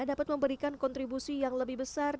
dapat memberikan kontribusi yang lebih besar